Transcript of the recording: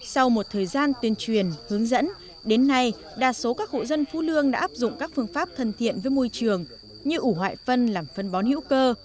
sau một thời gian tuyên truyền hướng dẫn đến nay đa số các hộ dân phú lương đã áp dụng các phương pháp thân thiện với môi trường như ủ hoại phân làm phân bón hữu cơ